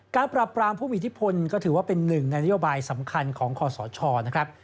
การปรับปรามผู้มีอิทธิพลก็ถือว่าเป็นหนึ่งในนโยบายสำคัญของคอสชนะครับ